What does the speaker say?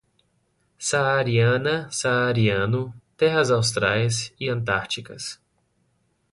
Saariana, saariano, terras austrais e antárticas